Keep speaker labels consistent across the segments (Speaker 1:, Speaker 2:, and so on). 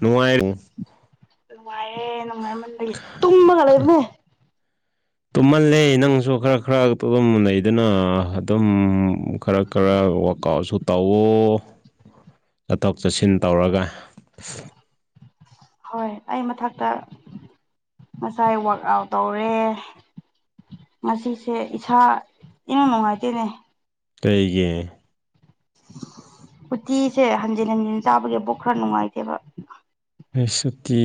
Speaker 1: ꯅꯨꯡꯉꯥꯏꯉꯣ
Speaker 2: ꯅꯨꯡꯉꯥꯏꯌꯦ ꯅꯨꯡꯉꯥꯏꯃꯟꯕꯒꯤ ꯇꯨꯝꯃꯒ ꯂꯩꯕꯅꯦ
Speaker 1: ꯇꯨꯝꯃꯜꯂꯦ ꯅꯪꯁꯨ ꯈꯔ ꯈꯔ ꯑꯗꯨꯝ ꯂꯩꯗꯨꯅ ꯑꯗꯨꯝ ꯈꯔ ꯈꯔ ꯀꯥꯁꯨ ꯇꯧꯑꯣ
Speaker 2: [inaudible]
Speaker 1: ꯆꯠꯊꯣꯛ ꯆꯠꯁꯤꯟ ꯇꯧꯔꯒ
Speaker 2: ꯍꯣꯏ ꯑꯩ ꯃꯊꯛꯇ ꯉꯁꯥꯏ ꯋꯥꯛ ꯑꯥꯛ ꯑꯥꯎꯠ ꯇꯧꯔꯦ ꯉꯁꯤꯁꯦ ꯏꯁꯥ ꯏꯅꯨꯡ ꯅꯨꯡꯉꯥꯏꯇꯦꯅꯦ
Speaker 1: ꯀꯩꯒꯤ
Speaker 2: ꯎꯇꯤꯁꯦ ꯍꯟꯖꯤꯟ ꯍꯟꯖꯤꯟ ꯆꯥꯕꯒꯤ ꯄꯨꯛ ꯈꯔ ꯅꯨꯡꯉꯥꯏꯇꯦꯕ
Speaker 1: ꯑꯩ ꯁꯨꯇꯤ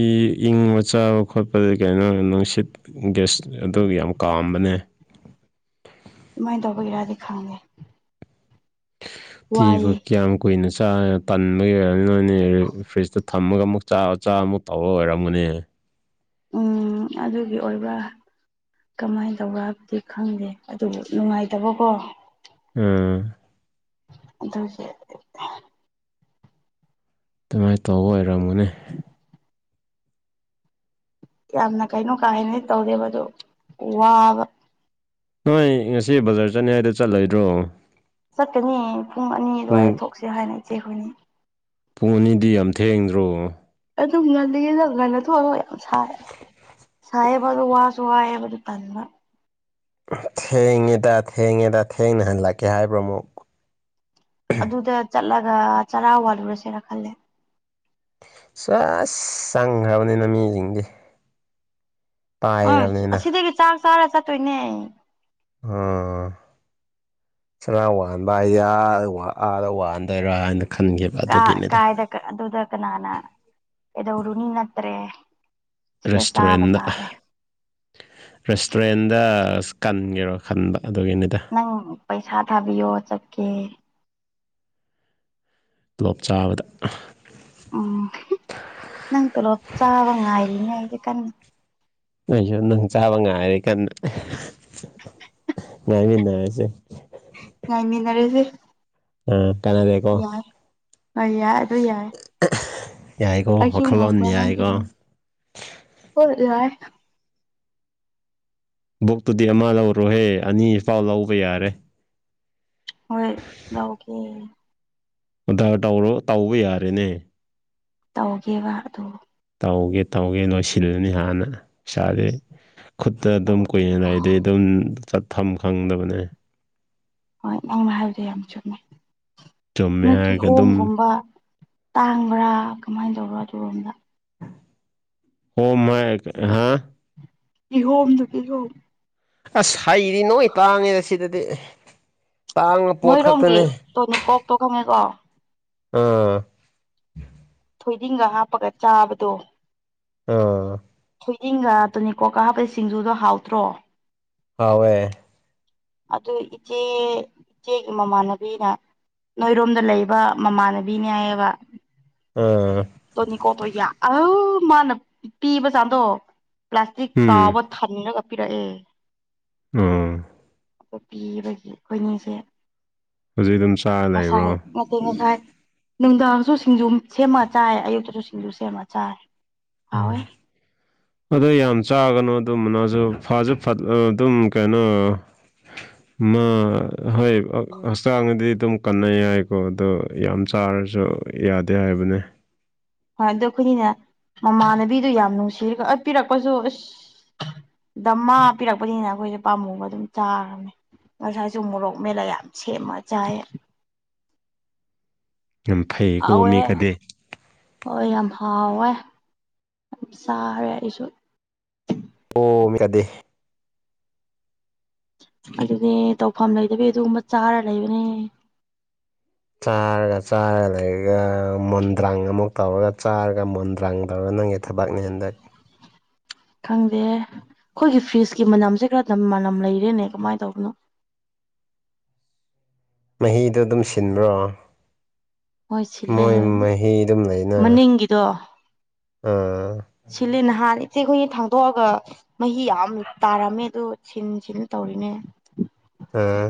Speaker 1: ꯏꯪꯕ ꯆꯥꯕ ꯈꯣꯠꯄꯗ ꯀꯩꯅꯣ ꯅꯨꯡꯁꯤꯠ ꯒ꯭ꯦꯁ ꯑꯗꯨ ꯌꯥꯝ ꯀꯥꯝꯕꯅꯦ
Speaker 2: ꯑꯗꯨꯃꯥꯏꯅ ꯇꯧꯕꯒꯤꯔꯗꯤ ꯈꯪꯗꯦ
Speaker 1: ꯊꯤꯕꯨ
Speaker 2: ꯋꯥꯏꯌꯦ
Speaker 1: ꯀꯌꯥꯝ ꯀꯨꯏꯅ ꯆꯥ ꯇꯥꯟꯕ ꯑꯣꯢꯔꯝꯅꯤ ꯅꯣꯢ ꯑꯅꯤ ꯐ꯭ꯔꯤꯖꯇ ꯑꯃꯨꯛ ꯑꯃꯨꯛ ꯆꯥꯕꯗ ꯆꯥꯃꯨꯛ ꯇꯧꯕ ꯑꯣꯏꯔꯝꯒꯅꯦ
Speaker 2: ꯎꯝ ꯑꯗꯨꯒꯤ ꯑꯣꯏꯕꯔꯥ ꯀꯃꯥꯏꯅ ꯇꯧꯕꯥ ꯍꯥꯏꯕꯗꯤ ꯈꯪꯗꯦ ꯑꯗꯨꯕꯨ ꯅꯨꯡꯉꯥꯏꯇꯕꯀꯣ
Speaker 1: ꯎꯝ
Speaker 2: ꯑꯗꯨꯁꯦ
Speaker 1: ꯑꯗꯨꯃꯥꯏꯅ ꯇꯧꯕ ꯑꯣꯏꯔꯝꯒꯅꯤ
Speaker 2: ꯌꯥꯝꯅ ꯀꯩꯅꯣ ꯀꯥꯍꯦꯟꯅꯗꯤ ꯇꯧꯗꯦꯕ ꯑꯗꯨ ꯋꯥꯕ
Speaker 1: ꯅꯣꯏ ꯉꯁꯤ ꯕꯖꯥꯔ ꯆꯠꯅꯤ ꯍꯥꯏꯗꯣ ꯆꯠꯂꯣꯏꯗ꯭ꯔꯣ
Speaker 2: ꯆꯠꯀꯅꯤ ꯄꯨꯡ ꯑꯅꯤ
Speaker 1: ꯄꯨꯡ
Speaker 2: ꯑꯗꯨꯋꯥꯏꯗ ꯊꯣꯛꯁꯦ ꯍꯥꯏꯅ ꯏꯆꯦ ꯑꯩꯈꯣꯏꯅꯤ
Speaker 1: ꯄꯨꯡ ꯑꯅꯤꯗꯤ ꯌꯥꯝ ꯊꯦꯡꯗ꯭ꯔꯣ
Speaker 2: ꯑꯗꯨꯝ ꯉꯜꯂꯤꯌꯦꯗ ꯉꯟꯅ ꯊꯣꯛꯑꯔꯣꯏ ꯌꯥꯝ ꯁꯥꯏ ꯁꯥꯏꯌꯦꯕ ꯑꯗꯨ ꯋꯥꯁꯨ ꯋꯥꯏ ꯍꯥꯏꯕꯗꯨ ꯇꯟꯕ
Speaker 1: ꯊꯦꯡꯉꯦꯗ ꯊꯦꯡꯉꯦꯗ ꯊꯦꯡꯅ ꯍꯜꯂꯛꯀꯦ ꯍꯥꯏꯕ꯭ꯔꯥ ꯑꯃꯨꯛ
Speaker 2: ꯑꯗꯨꯗ ꯆꯠꯂꯒ ꯆꯔꯥ ꯋꯥꯟꯂꯨꯔꯁꯤꯔ ꯈꯜꯂꯦ
Speaker 1: ꯆꯦꯁ ꯆꯪꯒꯔꯥꯕꯅꯤꯅ ꯃꯤꯁꯤꯡꯁꯦ
Speaker 2: ꯑꯥꯥꯣꯢ ꯑꯁꯤꯗꯒꯤ ꯆꯥꯛ ꯆꯥꯔ ꯆꯠꯇꯣꯏꯅꯦ
Speaker 1: ꯑꯥ ꯑꯥ ꯑꯥ ꯆꯔꯥ ꯋꯥꯟꯕ ꯑꯥ ꯑꯥꯗ ꯋꯥꯟꯗꯣꯏꯔꯥ ꯍꯥꯏꯅ ꯈꯟꯈꯤꯕ
Speaker 2: ꯀ
Speaker 1: ꯑꯗꯨꯒꯤꯅꯤꯗ
Speaker 2: ꯀꯥꯏꯗ ꯑꯗꯨꯗ ꯀꯅꯥꯅ ꯀꯩꯗꯧꯔꯨꯅꯤ ꯅꯠꯇ꯭ꯔꯦ ꯁꯤꯗ ꯆꯥꯕ
Speaker 1: ꯔꯦꯁꯇꯨꯔꯦꯟꯗ
Speaker 2: ꯇꯥꯔꯦ
Speaker 1: ꯔꯦꯁꯇꯨꯔꯦꯟꯗ ꯑꯁ ꯀꯟꯒꯦꯔꯣ ꯈꯟꯕ ꯑꯗꯨꯒꯤꯅꯤꯗ
Speaker 2: ꯅꯪ ꯄꯩꯁꯥ ꯊꯥꯕꯤꯌꯣ ꯆꯠꯀꯦ
Speaker 1: ꯇꯣꯂꯣꯞ ꯆꯥꯕꯗ
Speaker 2: ꯎꯝ ꯅꯪ ꯇꯣꯂꯣꯞ ꯆꯥꯕ ꯉꯥꯏꯔꯤꯅꯦ ꯑꯩꯖꯦ ꯀꯥꯟꯅ
Speaker 1: ꯑꯩꯖꯨ ꯅꯪ ꯆꯥꯕ ꯉꯥꯏꯔꯦ ꯀꯟꯅ ꯉꯥꯏꯃꯤꯟꯅꯔꯁꯦ
Speaker 2: ꯉꯥꯏꯃꯤꯟꯅꯔꯖꯦ
Speaker 1: ꯎꯝ ꯀꯥꯟꯅꯥꯗꯦ ꯀꯣ
Speaker 2: ꯍꯣꯏ ꯌꯥꯏ ꯑꯗꯨ ꯌꯥꯏ
Speaker 1: ꯌꯥꯏꯀꯣ
Speaker 2: ꯑꯩꯁꯨ
Speaker 1: ꯋꯥꯈꯜꯂꯣꯟ
Speaker 2: ꯉꯥꯏꯕ ꯅꯪꯁꯨ
Speaker 1: ꯌꯥꯢꯀꯣ
Speaker 2: ꯉꯥꯏ ꯍꯣꯏ ꯌꯥꯏ
Speaker 1: ꯕꯨꯛꯇꯨꯗꯤ ꯑꯃ ꯂꯧꯔꯣꯍꯦ ꯑꯅꯤꯐꯥꯎ ꯂꯧꯕ ꯌꯥꯔꯦ
Speaker 2: ꯍꯣꯏ ꯂꯧꯒꯦ
Speaker 1: ꯑꯣꯗꯔ ꯇꯧꯔꯣ ꯇꯧꯕ ꯌꯥꯔꯦꯅꯦ
Speaker 2: ꯇꯧꯒꯦꯕ ꯑꯗꯨ
Speaker 1: ꯇꯧꯒꯦ ꯇꯧꯒꯦ ꯅꯣꯏꯁꯤꯜꯂꯅꯤ ꯍꯥꯟꯅ ꯏꯁꯥꯖꯦ ꯈꯨꯠꯇ ꯑꯗꯨꯝ ꯀꯨꯏꯅ ꯂꯩꯔꯗꯤ ꯗꯨꯝ ꯆꯠꯐꯝ ꯈꯪꯗꯕꯅꯦ
Speaker 2: ꯍꯣꯏ ꯅꯪꯅ ꯍꯥꯏꯕꯗꯣ ꯌꯥꯝ ꯆꯨꯝꯃꯦ
Speaker 1: ꯆꯨꯝꯃꯦ
Speaker 2: ꯅꯣꯏ
Speaker 1: ꯍꯥꯏꯔꯒ ꯑꯗꯨꯝ
Speaker 2: ꯀꯤꯍꯣꯝꯒꯨꯝꯕ ꯇꯥꯡꯕ꯭ꯔꯥ ꯀꯃꯥꯏꯅ ꯇꯧꯕ꯭ꯔꯣ ꯀꯤꯍꯣꯝꯗꯣ
Speaker 1: [unintelligible]
Speaker 2: ꯀꯤꯍꯣꯝꯗꯨ ꯀꯤꯍꯣꯝ
Speaker 1: ꯑꯁ ꯍꯩꯗꯤ ꯂꯣꯏ ꯇꯥꯡꯉꯦꯗ ꯁꯤꯗꯗꯤ ꯇꯥꯡꯕ ꯄꯣꯠ
Speaker 2: ꯅꯣꯏꯔꯣꯝꯒꯤ
Speaker 1: ꯈꯛꯇꯅꯦ
Speaker 2: ꯇꯣꯅꯤꯡꯀꯣꯛꯇꯣ ꯈꯪꯉꯦꯀꯣ
Speaker 1: ꯑꯥ
Speaker 2: ꯊꯣꯏꯗꯤꯡꯒ ꯍꯥꯞꯄꯒ ꯆꯥꯕꯗꯣ
Speaker 1: ꯑꯥ
Speaker 2: ꯊꯣꯏꯗꯤꯡꯒ ꯇꯨꯅꯤꯡꯀꯣꯛꯀ ꯍꯥꯞꯄ ꯁꯤꯡꯖꯨꯗꯣ ꯍꯥꯎꯇ꯭ꯔꯣ
Speaker 1: ꯍꯥꯎꯋꯦ
Speaker 2: ꯑꯗꯨ ꯏꯆꯦ ꯏꯆꯦꯒꯤ ꯃꯃꯥꯟꯅꯕꯤꯅ ꯅꯣꯏꯔꯣꯝꯗ ꯂꯩꯕ ꯃꯃꯥꯟꯅꯕꯤꯅꯦ ꯍꯥꯏꯌꯦꯕ꯫
Speaker 1: ꯑꯝ
Speaker 2: ꯇꯣꯅꯤꯀꯣꯛꯇꯣ ꯌꯥ ꯑ ꯃꯥꯅ ꯄꯤꯕ ꯖꯥꯝꯗꯣ ꯄ꯭ꯂꯥꯁꯇꯤꯛ
Speaker 1: ꯎꯝ
Speaker 2: ꯆꯥꯎꯕ ꯊꯟꯅꯕ ꯄꯤꯔꯛꯑꯦ
Speaker 1: ꯎꯝ
Speaker 2: ꯄꯤꯕꯒꯤ ꯑꯩꯈꯣꯏꯅꯤꯁꯦ
Speaker 1: ꯍꯧꯖꯤꯛ ꯑꯗꯨꯝ ꯆꯥꯔ ꯂꯩꯕ꯭ꯔꯣ
Speaker 2: ꯉꯁꯥꯏ ꯑ ꯉꯁꯥꯏ ꯅꯨꯡꯗꯥꯡꯁꯨ ꯁꯤꯡꯖꯨ ꯁꯦꯝꯃ ꯆꯥꯏ ꯑꯌꯨꯛꯇꯁꯨ ꯁꯤꯡꯖꯨ ꯁꯦꯝꯃ ꯆꯥꯏ
Speaker 1: ꯎꯝ
Speaker 2: ꯍꯥꯎꯋꯦ
Speaker 1: ꯑꯗꯣ ꯌꯥꯝ ꯆꯥꯒꯅꯨ ꯑꯗꯨꯝꯕꯅꯁꯨ ꯐꯁꯨ ꯑꯗꯨꯝ ꯀꯩꯅꯣ
Speaker 2: [inaudible]
Speaker 1: ꯑꯃ ꯍꯣꯏ ꯍꯛꯆꯥꯡꯗꯗꯤ ꯑꯗꯨꯝ ꯀꯟꯅꯩ ꯌꯥꯏꯀꯣ ꯑꯗꯣ ꯌꯥꯝ ꯆꯥꯔꯁꯨ ꯌꯥꯗꯦ ꯍꯥꯏꯕꯅꯦ
Speaker 2: ꯍꯣꯏ ꯑꯩꯈꯣꯏꯅꯤꯅ ꯃꯃꯥꯟꯅꯕꯤꯗꯨ ꯌꯥꯝ ꯅꯨꯡꯁꯤꯕ ꯄꯤꯔꯛꯄꯁꯨ ꯑꯁ ꯗꯃꯥ ꯄꯤꯔꯛꯄꯅꯤꯅ ꯑꯩꯈꯣꯏꯁꯦ ꯄꯥꯝꯃꯨꯕ ꯑꯗꯨꯝ ꯆꯥꯒ꯭ꯔꯝꯅꯦ ꯉꯁꯥꯏꯁꯨ ꯃꯣꯔꯣꯛ ꯃꯦꯠꯂꯥ ꯌꯥꯝ ꯁꯦꯝꯃ ꯆꯥꯏꯌꯦ
Speaker 1: ꯌꯥꯝ ꯐꯩꯀꯣ
Speaker 2: ꯍꯥꯎꯋꯦ
Speaker 1: ꯃꯤ ꯀꯥꯗꯤ
Speaker 2: ꯍꯣꯏ ꯌꯥꯝ ꯍꯥꯎꯋꯦ ꯌꯥꯝ ꯆꯥꯔꯦ ꯑꯩꯁꯨ
Speaker 1: [unintelligible]
Speaker 2: ꯑꯗꯨꯅꯦ ꯇꯧꯐꯝ ꯂꯩꯗꯕꯤ ꯑꯗꯨꯒꯨꯝꯕ ꯆꯥꯔ ꯂꯩꯕꯅꯦ
Speaker 1: ꯆꯥꯔꯒ ꯆꯥꯔ ꯂꯩꯔꯒ ꯃꯨꯟꯗ꯭ꯔꯥꯡ ꯑꯃꯨꯛ ꯇꯧꯔꯒ ꯆꯥꯔꯒ ꯃꯨꯟꯗ꯭ꯔꯥꯡ ꯇꯧꯔꯒ ꯅꯪꯉ ꯊꯕꯥꯛꯅꯍꯟꯗ
Speaker 2: ꯈꯪꯗꯦ ꯑꯩꯈꯣꯏꯒꯤ ꯐ꯭ꯔꯤꯖꯀꯤ ꯃꯅꯝꯁꯦ ꯈꯔꯗ ꯃꯅꯝ ꯂꯩꯔꯦꯅꯦ ꯀꯃꯥꯏꯅ ꯇꯧꯕꯅꯣ
Speaker 1: ꯃꯍꯤꯗꯣ ꯑꯗꯨꯝ ꯁꯤꯟꯕ꯭ꯔꯣ
Speaker 2: ꯍꯣꯏ ꯁꯤꯜꯂꯦ
Speaker 1: ꯃꯣꯏ
Speaker 2: ꯍꯣꯏ
Speaker 1: ꯃꯍꯤ ꯑꯗꯨꯝ ꯂꯩꯅ
Speaker 2: ꯃꯅꯤꯡꯒꯤꯗꯣ
Speaker 1: ꯑꯥ
Speaker 2: ꯁꯤꯜꯂꯤ ꯅꯍꯥꯟ ꯏꯆꯦ ꯑꯩꯈꯣꯏꯅ ꯊꯥꯡꯗꯣꯛꯑꯒ ꯃꯍꯤ ꯌꯥꯝ ꯇꯥꯔꯝꯃꯦ ꯑ ꯁꯤꯟ ꯁꯤꯟ ꯇꯧꯔꯤꯅꯦ꯫
Speaker 1: ꯑꯥ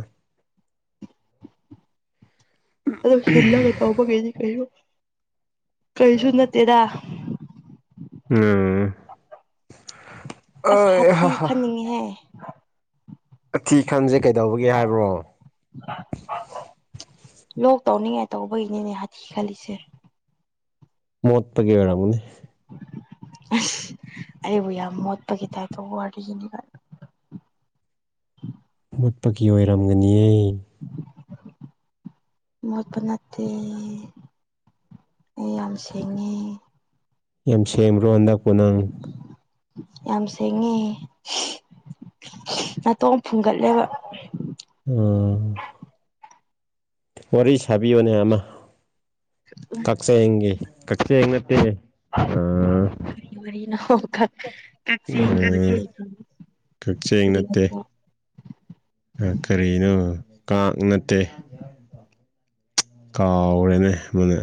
Speaker 2: ꯑꯗꯣ ꯍꯤꯜꯂꯒ ꯇꯧꯕꯈꯩꯗꯤ ꯀꯩ ꯀꯩꯁꯨ ꯅꯠꯇꯦꯗ
Speaker 1: ꯎꯝ
Speaker 2: ꯑꯁ ꯍꯥꯊꯤ ꯈꯟꯅꯤꯡꯉꯦꯍꯦ
Speaker 1: ꯑꯊꯤ ꯈꯟꯁꯦ ꯀꯩꯗꯧꯕꯒꯦ ꯍꯥꯏꯕ꯭ꯔꯣ
Speaker 2: ꯂꯣꯛ ꯇꯧꯅꯤꯡꯉꯥꯏ ꯇꯧꯕꯒꯤꯅꯤꯅꯦ ꯍꯥꯊꯤ ꯈꯜꯂꯤꯁꯦ꯫
Speaker 1: ꯃꯣꯠꯄꯒꯤ ꯑꯣꯏꯔꯝꯒꯅꯤ
Speaker 2: ꯑꯩꯕꯨ ꯌꯥꯝ ꯃꯣꯠꯄꯒꯤ ꯇꯥꯞꯇꯥ ꯋꯥꯔꯤꯒꯤꯗꯤ
Speaker 1: ꯃꯨꯠꯄꯒꯤ ꯑꯣꯏꯔꯝꯒꯅꯤꯌꯦ꯫
Speaker 2: [inaudible] ꯃꯣꯠꯄ ꯅꯠꯇꯦ ꯑꯩ ꯌꯥꯝ ꯁꯦꯡꯉꯦ꯫
Speaker 1: ꯌꯥꯝ ꯁꯦꯝꯈ꯭ꯔꯣ ꯍꯟꯗꯛꯄ ꯅꯪ
Speaker 2: ꯌꯥꯝ ꯁꯦꯡꯉꯦ ꯅꯥꯇꯣ ꯐꯨꯡꯒꯠꯂꯦꯕ
Speaker 1: ꯎ ꯋꯥꯔꯤ ꯁꯥꯕꯤꯌꯣꯅꯦ ꯑꯃ꯫
Speaker 2: ꯎ
Speaker 1: ꯀꯥꯛꯆꯦꯡꯒꯤ ꯀꯥꯛꯆꯦꯡꯒꯤ ꯅꯠꯇꯦꯅꯦ
Speaker 2: ꯀꯔꯤ ꯋꯥꯔꯤꯅ ꯀꯥꯛꯆꯦꯡꯒꯤ ꯋꯥꯔꯤ
Speaker 1: ꯎꯝ
Speaker 2: ꯂꯩ
Speaker 1: ꯀꯛꯆꯦꯡ
Speaker 2: ꯀꯔꯤꯅ
Speaker 1: ꯅꯠꯇꯦ ꯀꯔꯤꯅꯣ ꯀꯥꯡ ꯅꯠꯇꯦ ꯌꯥ [inaudible] ꯀꯥꯎꯔꯦꯅꯦ ꯃꯗꯨ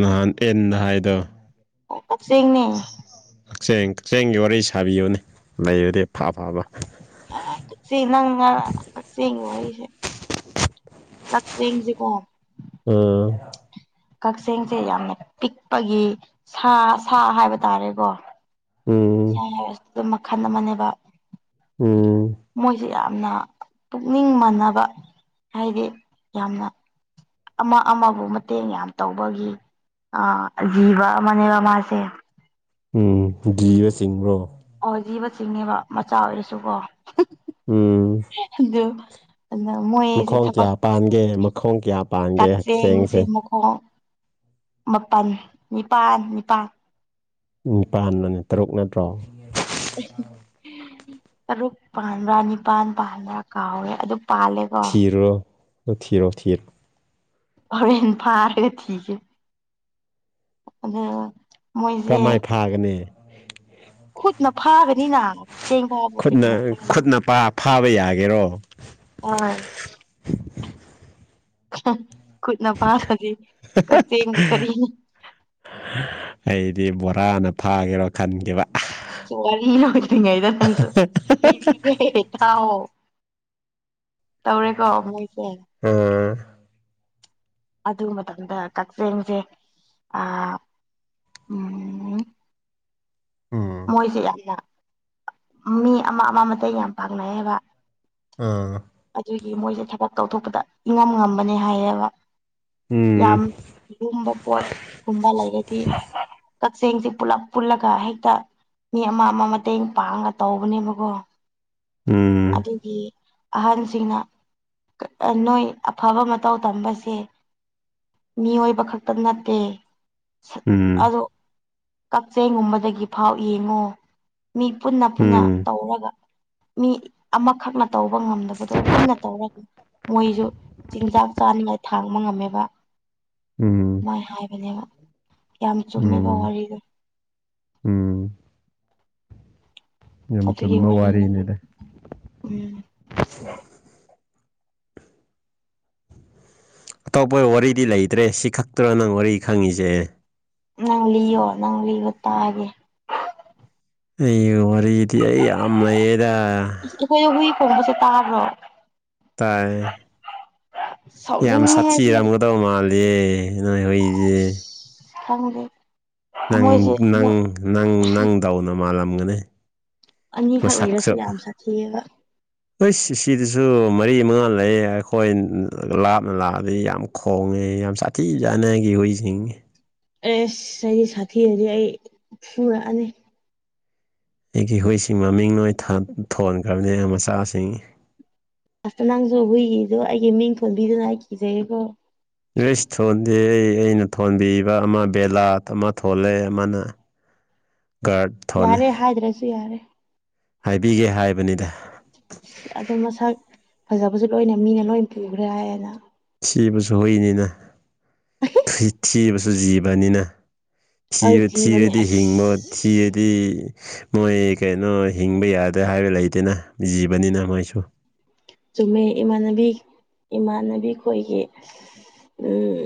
Speaker 1: ꯅꯍꯥꯟ ꯑꯦꯟ ꯅ ꯍꯥꯏꯗ
Speaker 2: ꯀꯛꯆꯦꯡꯅꯦ꯫
Speaker 1: ꯀꯛꯆꯦꯡ ꯀꯛꯆꯦꯡꯒꯤ ꯋꯥꯔꯤ ꯁꯥꯕꯤꯌꯨꯅꯤ ꯂꯩꯔꯗꯤ ꯐ ꯐꯕ
Speaker 2: ꯑ ꯀꯛꯆ ꯅꯪ ꯉ ꯀꯛꯆꯦꯡꯒꯤ ꯋꯥꯔꯤꯁꯦ ꯀꯛꯆꯦꯡꯁꯤ ꯀꯣ
Speaker 1: ꯎꯝ
Speaker 2: ꯀꯛꯆꯦꯡꯁꯦ ꯌꯥꯝꯅ ꯄꯤꯛꯄꯒꯤ ꯁꯥ ꯁꯥ ꯍꯥꯏꯕ ꯇꯥꯔꯦꯀꯣ ꯏꯁ
Speaker 1: ꯎꯝ
Speaker 2: ꯍꯥꯏꯕꯁꯤ ꯑꯗꯨꯝ ꯃꯈꯜ ꯑꯃꯅꯦꯕ
Speaker 1: ꯎꯝ
Speaker 2: ꯃꯣꯏꯁꯦ ꯌꯥꯝꯅ ꯄꯨꯛꯅꯤꯡ ꯃꯕ ꯍꯥꯏꯗꯤ ꯌꯥꯝꯅ ꯑꯃ ꯑꯃꯕꯨ ꯃꯇꯦꯡ ꯌꯥꯝ ꯇꯧꯕꯒꯤ ꯑ ꯖꯤꯕ ꯑꯃꯅꯦꯕ ꯃꯥꯁꯦ
Speaker 1: ꯎꯝ ꯕ ꯆꯤꯡꯕ꯭ꯔꯣ
Speaker 2: ꯑꯣ ꯖꯤꯕ ꯆꯁꯤꯡꯅꯦꯕ ꯃꯆꯥ ꯑꯣꯏꯔꯁꯨꯀꯣ꯫
Speaker 1: ꯎꯝ
Speaker 2: ꯑꯗꯨ ꯑꯗꯨꯅ ꯃꯣꯏꯁꯦ
Speaker 1: ꯃꯈꯣꯡ
Speaker 2: ꯊꯕꯛ
Speaker 1: ꯀꯌꯥ ꯄꯥꯟꯒꯦ ꯃꯈꯣꯡ ꯀꯌꯥ ꯄꯥꯟꯒꯦ ꯀꯛꯆꯦꯡꯁꯦ
Speaker 2: ꯑꯣ ꯃꯥꯄꯜ ꯅꯤꯄꯥꯜ ꯅꯤꯄꯥꯜ
Speaker 1: ꯅꯤꯄꯥꯜꯂꯅꯦ ꯇꯔꯨꯛ ꯅꯠꯇ꯭ꯔꯣ
Speaker 2: ꯇꯔꯨꯛ ꯄꯥꯟꯕ꯭ꯔꯥ ꯅꯤꯄꯜ ꯄꯥꯟꯕ꯭ꯔꯥ ꯀꯥꯎꯔꯦ ꯑꯗꯨ ꯄꯥꯜꯂꯦꯀꯣ
Speaker 1: ꯊꯤꯔꯣ ꯊꯤꯔꯣ ꯊꯤꯔꯣ
Speaker 2: ꯍꯣꯔꯦꯟ ꯐꯥꯔꯒ ꯊꯤꯒꯦ ꯑ
Speaker 1: ꯀꯝꯃꯥꯏ ꯐꯥꯒꯅꯤ
Speaker 2: [unintelligible] ꯈꯨꯠꯅ ꯐꯥꯒꯅꯤꯅ ꯀꯛꯆꯦꯡ ꯐꯥꯕꯕꯨ ꯀꯔꯤꯅ
Speaker 1: ꯈꯨꯠꯅ
Speaker 2: ꯐꯥꯒꯅꯤ
Speaker 1: ꯈꯨꯠꯅ ꯄꯥ ꯐꯥꯕ ꯌꯥꯒꯦꯔꯣ
Speaker 2: ꯍꯣꯏ ꯈꯨꯠꯅ ꯐꯥꯗꯔꯗꯤ ꯀꯛꯆꯦꯡꯒꯤ ꯀꯔꯤ
Speaker 1: ꯑꯩꯗꯤ ꯕꯣꯔꯥꯅ ꯐꯥꯒꯦꯔꯣ ꯈꯟꯈꯤꯕ
Speaker 2: ꯁꯨꯝ ꯋꯥꯔꯤ ꯂꯣꯏꯗꯔꯤꯉꯩꯗ ꯅꯪꯁꯨ [unintelligible] ꯊꯥꯎ ꯇꯧꯔꯦꯀꯣ ꯃꯣꯏꯁꯦ
Speaker 1: ꯎꯝ
Speaker 2: ꯑꯗꯨ ꯃꯇꯝꯗ ꯀꯛꯆꯦꯡꯁꯦ ꯎꯝ
Speaker 1: ꯎꯝ
Speaker 2: ꯃꯣꯏꯁꯦ ꯌꯥꯝꯅ ꯃꯤ ꯑꯃ ꯑꯃ ꯃꯇꯦꯡ ꯌꯥꯝ ꯄꯥꯡꯅꯩ ꯌꯦꯕ
Speaker 1: ꯑꯝ
Speaker 2: ꯑꯗꯨꯒꯤ ꯃꯣꯏꯁꯦ ꯊꯕꯛ ꯇꯧꯊꯣꯛꯄꯗ ꯏꯉꯝ ꯉꯝꯕꯅꯦ ꯍꯥꯏꯌꯦꯕ
Speaker 1: ꯎꯝ
Speaker 2: ꯌꯥꯝ ꯂꯨꯝꯕ ꯄꯣꯠ ꯀꯨꯝꯕ ꯂꯩꯔꯗꯤ ꯀꯛꯆꯦꯡꯁꯤ ꯄꯨꯂꯞ ꯄꯨꯜꯂꯒ ꯍꯦꯛꯇ ꯃꯤ ꯑꯃ ꯑꯃ ꯃꯇꯦꯡ ꯄꯥꯡꯉ ꯇꯧꯕꯅꯦꯕꯀꯣ
Speaker 1: ꯎꯝ
Speaker 2: ꯑꯩꯈꯣꯏꯒꯤ ꯑꯍꯟꯁꯤꯡꯅ ꯅꯣꯏ ꯑꯐꯕ ꯃꯇꯧ ꯇꯝꯕꯁꯦ ꯃꯤꯑꯣꯏꯕ ꯈꯛꯇ ꯅꯠꯇꯦ
Speaker 1: ꯎꯝ
Speaker 2: ꯑꯗꯣ ꯀꯛꯆꯩꯒꯨꯝꯕꯗꯒꯤ ꯐꯥꯎ ꯌꯦꯡꯉꯣ ꯃꯤ ꯄꯨꯟꯅ ꯄꯨꯟꯅ
Speaker 1: ꯎꯝ
Speaker 2: ꯇꯧꯋꯣꯕ ꯃꯤ ꯑꯃꯈꯛꯅ ꯇꯧ ꯇꯧꯕ ꯉꯝꯗꯕꯗꯣ ꯄꯨꯟꯅ ꯇꯧꯔꯗꯤ ꯃꯣꯏꯁꯨ ꯆꯤꯟꯖꯥꯛ ꯆꯥꯅꯤꯡꯉꯥꯏ ꯊꯥꯡꯕ ꯉꯝꯃꯦꯕ
Speaker 1: ꯎꯝ
Speaker 2: ꯃꯥꯏ ꯍꯥꯏꯕꯅꯦꯕ ꯌꯥꯝ ꯆꯨꯝꯃꯦꯕ
Speaker 1: ꯎꯝ
Speaker 2: ꯋꯥꯔꯤꯗꯣ
Speaker 1: ꯎꯝ ꯌꯥꯝ
Speaker 2: ꯑꯗꯨꯒꯤ
Speaker 1: ꯆꯨꯝꯕ
Speaker 2: ꯋꯥꯔꯤꯅꯤꯗ ꯎꯝ
Speaker 1: ꯑꯇꯣꯞꯄ ꯋꯥꯔꯤꯗꯤ ꯂꯩꯇ꯭ꯔꯦ ꯁꯤ ꯈꯛꯇꯔꯣ ꯅꯪꯅ ꯋꯥꯔꯤ ꯈꯪꯉꯤꯁꯦ
Speaker 2: ꯅꯪ ꯂꯤꯌꯣ ꯅꯪ ꯂꯤꯌꯣ ꯇꯥꯒꯦ
Speaker 1: ꯑꯩꯒꯤ ꯋꯥꯔꯤꯗꯤ ꯑꯩ ꯌꯥꯝ ꯂꯩꯌꯦꯗ
Speaker 2: ꯑꯩꯈꯣꯏꯗ ꯍꯨꯏ ꯈꯣꯡꯕꯁꯦ ꯇꯥꯕ꯭ꯔꯣ
Speaker 1: ꯇꯥꯏꯌꯦ ꯌꯥꯝ
Speaker 2: ꯁꯥꯎꯅꯤꯡꯉꯦꯍꯦ ꯁꯤ
Speaker 1: ꯁꯥꯊꯤꯔꯝꯒꯗꯧ ꯃꯥꯜꯂꯦ ꯅꯣꯏ ꯍꯣꯏꯗꯤ
Speaker 2: ꯑꯁ ꯈꯪꯗꯦ
Speaker 1: ꯅꯪ
Speaker 2: ꯃꯣꯏꯁꯦ
Speaker 1: ꯅꯪ
Speaker 2: ꯃꯣꯏ
Speaker 1: ꯅꯪ ꯅꯪꯗꯥꯎꯅ ꯃꯥ ꯂꯝꯒꯅꯦ
Speaker 2: ꯑꯅꯤꯈꯛ ꯂꯩꯔꯁꯨ ꯌꯥꯝ ꯁꯥꯊꯤꯑꯕ
Speaker 1: ꯍꯣꯏ ꯁꯤꯗꯁꯨ ꯃꯔꯤ ꯃꯉꯥ ꯂꯩꯌꯦ ꯑꯩꯈꯣꯏ ꯂꯥꯞꯅ ꯂꯥꯛꯑꯗꯤ ꯌꯥꯝ ꯈꯣꯡꯉꯦ ꯌꯥꯝ ꯁꯥꯊꯤꯖꯥꯅꯒꯤ ꯍꯍꯣꯏꯁꯤꯡ
Speaker 2: ꯑꯦꯁ ꯑꯩꯗꯤ ꯁꯥꯊꯤꯔꯗꯤ ꯑꯩ ꯐꯨꯔꯛꯑꯅꯤ
Speaker 1: ꯑꯩꯒꯤ ꯍꯨꯏꯁꯤꯡ ꯃꯃꯤꯡ ꯅꯣꯏ ꯊꯣꯟꯈ꯭ꯔꯕꯅꯤ ꯑꯩ ꯃꯆꯥꯁꯤꯡ
Speaker 2: ꯑꯁꯇ ꯅꯪꯁꯨ ꯍꯨꯏꯒꯤꯗꯣ ꯑꯩꯒꯤ ꯃꯤꯡ ꯊꯣꯟꯕꯤꯗꯨꯅ ꯑꯩ ꯀꯤꯖꯩꯀꯣ
Speaker 1: ꯑꯩꯁ ꯊꯣꯟꯗꯦꯍꯦ ꯑꯩꯅ ꯊꯣꯟꯕꯤꯕ ꯑꯃ ꯕꯦꯂꯥꯠ ꯑꯃ ꯊꯣꯜꯂꯦ ꯑꯃꯅ ꯀꯥꯔꯠ
Speaker 2: ꯌꯥꯔꯦ ꯍꯥꯏꯗ꯭ꯔꯁꯨ ꯌꯥꯔꯦ
Speaker 1: ꯍꯥꯏꯕꯤꯒꯦ ꯍꯥꯏꯕꯅꯤꯗ
Speaker 2: ꯑꯗꯨꯝ ꯃꯁꯛ ꯐꯖꯕꯁꯨ ꯂꯣꯏꯅ ꯃꯤꯅ ꯂꯣꯏ ꯄꯨꯈ꯭ꯔꯦ ꯍꯥꯏꯌꯦꯅ꯫
Speaker 1: ꯊꯤꯕꯁꯨ ꯍꯨꯏꯅꯤꯅ ꯊ ꯊꯤꯕꯁꯨ ꯖꯤꯕꯅꯤꯅ
Speaker 2: ꯍꯣꯏ
Speaker 1: ꯊꯤꯔ
Speaker 2: ꯊꯤꯕꯅꯦ
Speaker 1: ꯊꯤꯔꯗꯤ
Speaker 2: ꯑꯁ
Speaker 1: ꯍꯤꯡꯕ ꯊꯤꯔꯗꯤ ꯃꯣꯏ ꯀꯩꯅꯣ ꯍꯤꯡꯕ ꯌꯥꯗꯦ ꯍꯥꯏꯕ ꯂꯩꯇꯦꯅ ꯖꯤꯕꯅꯤꯅ ꯃꯣꯏꯁꯨ
Speaker 2: ꯆꯨꯝꯃꯦ ꯏꯃꯥꯟꯅꯕꯤ ꯏꯃꯥꯟꯅꯕꯤ ꯈꯣꯏꯒꯤ ꯎꯝ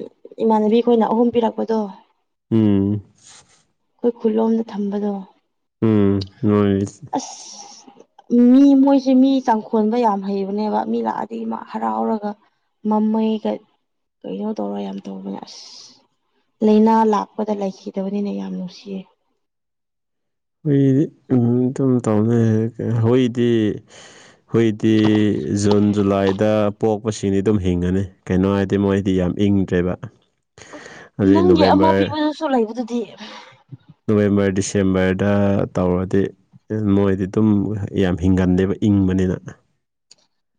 Speaker 2: ꯏꯃꯥꯟꯅꯕꯤꯈꯣꯏꯅ ꯑꯍꯨꯝ ꯄꯤꯔꯛꯄꯗꯣ
Speaker 1: ꯎꯝ
Speaker 2: ꯑꯩꯈꯣꯏ ꯈꯨꯠꯂꯣꯝꯗ ꯊꯝꯕꯗꯣ
Speaker 1: ꯎꯝ ꯅ
Speaker 2: ꯑꯁ ꯃꯤ ꯃꯣꯏꯁꯦ ꯃꯤ ꯆꯥꯡꯈꯣꯟꯕ ꯌꯥꯝ ꯍꯩꯕꯅꯦꯕ ꯃꯤ ꯂꯥꯛꯑꯗꯤ ꯃꯥ ꯍꯔꯥꯎꯔꯒ ꯃꯃꯩꯒ ꯀꯩꯅꯣ ꯇꯧꯔ ꯌꯥꯝ ꯇꯧꯕꯅꯦ ꯑꯁ ꯂꯥꯏꯅꯥ ꯂꯥꯛꯄꯗ ꯂꯩꯈꯤꯗꯕꯅꯤꯅ ꯌꯥꯝ ꯅꯨꯡꯁꯤꯌꯦ
Speaker 1: ꯑꯩꯏꯗꯤ ꯑꯗꯨꯝ ꯇꯧꯅꯩ ꯍꯏꯗꯤ ꯍꯨꯏꯗꯤ ꯖꯨꯟ ꯖꯨꯂꯥꯏꯗ ꯄꯣꯛꯄꯁꯤꯡꯗꯤ ꯑꯗꯨꯝ ꯍꯤꯡꯉꯅꯤ ꯀꯩꯅꯣ ꯍꯥꯏꯗꯤ ꯃꯣꯏꯗꯤ ꯌꯥꯝ ꯏꯪꯗ꯭ꯔꯦꯕ
Speaker 2: ꯎ
Speaker 1: ꯑꯗꯨꯗꯩ
Speaker 2: ꯅꯪꯒꯤ ꯑꯃ
Speaker 1: ꯅꯣꯕꯦꯝꯕꯔ
Speaker 2: ꯄꯤꯕꯗꯨꯁꯨ ꯂꯩꯕꯗꯨꯗꯤ
Speaker 1: ꯅꯣꯕꯦꯝꯕꯔ ꯗꯤꯁꯦꯝꯕꯔꯗ ꯇꯧꯔꯗꯤ ꯃꯣꯏꯗꯤ ꯑꯗꯨꯝ ꯌꯥꯝ ꯍꯤꯡꯒꯜꯗꯦꯕ ꯏꯪꯕꯅꯤꯅ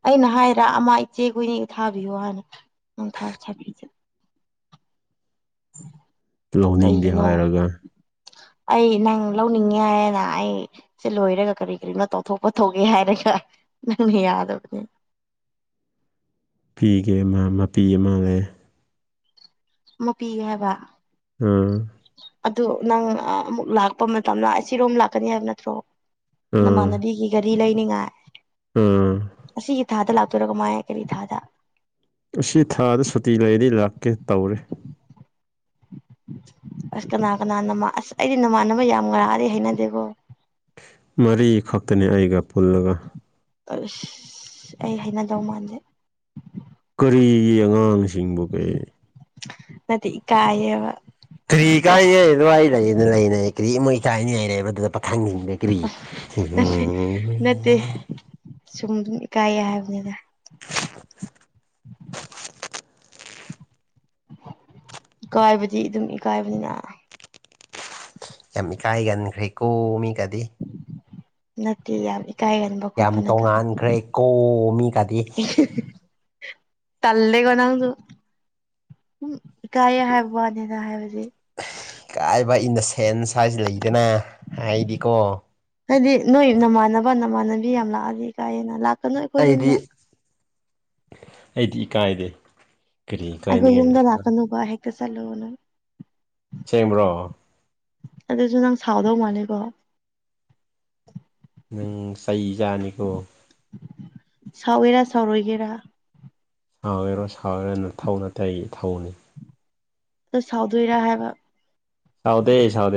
Speaker 2: ꯑꯩꯅ ꯍꯥꯏꯔ ꯑꯃ ꯏꯆꯦ ꯀꯨꯏꯅꯒ ꯊꯥꯕꯤꯌꯣ ꯍꯥꯏꯅ
Speaker 1: ꯂꯧꯅꯤꯡꯗꯦ
Speaker 2: ꯀꯩꯒꯤꯅꯣ
Speaker 1: ꯍꯥꯏꯔꯒ
Speaker 2: ꯑꯩ ꯅꯪ ꯂꯧꯅꯤꯡꯉꯦ ꯍꯥꯏꯌꯦꯅ ꯑꯩ ꯁꯤ ꯂꯣꯏꯔꯒ ꯀꯔꯤ ꯀꯔꯤꯅꯣ ꯇꯧꯊꯣꯛꯄ ꯊꯣꯛꯧꯒꯦ ꯍꯥꯏꯔꯒ ꯅꯪꯅ ꯌꯥꯗꯕꯅꯦ
Speaker 1: ꯄꯤꯤꯒꯦ ꯑꯃ ꯃꯄꯤ ꯑꯃ ꯂꯩ
Speaker 2: ꯃꯨꯄꯤꯤꯒꯦ ꯍꯥꯏꯕ
Speaker 1: ꯎꯝ
Speaker 2: ꯑꯗꯨ ꯅꯪ ꯑꯃꯨꯛ ꯂꯥꯛꯄ ꯃꯇꯝꯗ ꯑꯁꯤꯔꯣꯝ ꯂꯥꯛꯀꯅꯤ ꯍꯥꯏꯕ ꯅꯠꯇ꯭ꯔꯣ ꯅꯃꯥꯟꯅꯕꯤꯒꯤ ꯔꯤ ꯂꯩꯅꯤꯉꯥꯏ
Speaker 1: ꯎꯝ
Speaker 2: ꯑꯁꯤꯒꯤ ꯊꯥꯗ ꯂꯥꯛꯇꯣꯏꯔꯒ ꯃꯥꯏ ꯀꯔꯤ ꯊꯥꯗ
Speaker 1: ꯑꯁꯤ ꯊꯥꯗ ꯁꯨꯇꯤ ꯂꯩꯔꯗꯤ ꯂꯥꯛꯀꯦ ꯇꯧꯔꯦ
Speaker 2: [inaudible] [inaudible] ꯑꯁ ꯀꯅꯥ ꯀꯅꯥꯅꯥꯟ ꯑꯁ ꯑꯩꯗꯤ ꯅꯃꯥꯟꯅꯕ ꯌꯥꯝ ꯉꯔꯛꯑꯗꯤ ꯍꯩꯅꯗꯦꯀꯣ
Speaker 1: ꯃꯔꯤꯈꯛꯇꯅꯤ ꯑꯩꯒ ꯄꯨꯜꯂꯒ
Speaker 2: ꯑ ꯑꯩ ꯍꯥꯏꯅꯗꯧ ꯃꯥꯟꯂꯦ
Speaker 1: ꯀꯔꯤꯒꯤ ꯑꯉꯥꯡꯁꯤꯡꯕꯨ ꯀꯩ
Speaker 2: ꯅꯗꯤ ꯀꯥꯌꯦ
Speaker 1: ꯀꯔꯤ ꯀꯥꯏꯒꯦ ꯑꯗꯨꯋꯥꯏ ꯂꯩꯅ ꯂꯩꯅ ꯀꯔꯤ ꯃꯣꯏ ꯀꯥꯏꯅꯉꯥꯏ ꯂꯩꯕ꯭ꯔꯥ ꯑꯗꯨꯗ ꯄꯈꯪ ꯀ꯭ꯔꯤ
Speaker 2: ꯇꯦ ꯁꯨꯝ ꯏꯀꯥꯏꯌꯦ ꯍꯥꯏꯕꯅꯤꯗ
Speaker 1: [inaudible]
Speaker 2: ꯏꯀꯥꯏꯕꯗꯤ ꯑꯗꯨꯝ ꯏꯀꯥꯏꯕꯅꯤꯅ
Speaker 1: ꯌꯥꯝ ꯏꯀꯥꯏꯒꯟꯈ꯭ꯔꯦꯀꯣ ꯃꯤꯒꯗꯤ
Speaker 2: ꯅꯠꯇꯦ ꯌꯥꯝ ꯏꯀꯥꯏꯒꯟ
Speaker 1: ꯌꯥꯝ ꯇꯣꯉꯥꯟꯈ꯭ꯔꯦ ꯀꯣ ꯃꯤꯒꯗꯤ
Speaker 2: ꯇꯜꯦ ꯀꯅꯥꯗꯨ ꯎꯝ ꯏꯀꯥꯏꯌꯦꯦ ꯍꯥꯏꯕ ꯋꯥꯅꯤꯅ ꯍꯥꯏꯕꯁ
Speaker 1: ꯀꯥꯏꯕ ꯏꯟ ꯗ ꯁꯦꯟꯁ ꯍꯥꯏꯁꯤ ꯂꯩꯗꯅ ꯍꯥꯏꯗꯤꯀꯣ
Speaker 2: ꯍꯥꯏꯗꯤ ꯅꯣꯏ ꯅꯃꯥꯟꯅꯕ ꯅꯃꯥꯟꯅꯕꯤ ꯌꯥꯝ ꯂꯥꯛꯑꯗꯤ ꯀꯥꯏꯑꯦꯅ ꯂꯥꯛ
Speaker 1: ꯑꯩꯗꯤ ꯑꯩꯗꯤ ꯏꯀꯥꯏꯗꯦ ꯀꯔꯤ
Speaker 2: ꯑꯩꯈꯣꯏ
Speaker 1: ꯏꯀꯥꯏꯅꯤꯡꯉꯥꯏ
Speaker 2: ꯌꯨꯝꯗ ꯂꯥꯛꯀꯅꯨꯕ ꯍꯦꯛꯛꯇ ꯆꯂꯨꯅ
Speaker 1: ꯁꯦꯝꯕ꯭ꯔꯣ
Speaker 2: ꯑꯗꯨꯁꯨ ꯅꯪ ꯁꯥꯎꯗꯧ ꯃꯥꯥꯜꯂꯦꯀꯣ
Speaker 1: ꯅꯪ ꯆꯩ ꯆꯥꯅꯤꯀꯣ
Speaker 2: ꯁꯥꯎꯒꯦꯔ ꯁꯥꯎꯔꯣꯏꯒꯦꯔ
Speaker 1: ꯁꯥꯎꯒꯦꯔꯣ ꯁꯥꯥꯎꯒꯦꯔꯣ ꯅꯊꯧ ꯅꯠꯇꯦ ꯑꯩꯒꯤ ꯏꯊꯧꯅꯤ
Speaker 2: ꯑꯗꯨ ꯁꯥꯎꯗꯣꯏꯔꯥ ꯍꯥꯏꯕ
Speaker 1: ꯁꯥꯎꯗꯦ ꯁꯥꯎꯗꯦ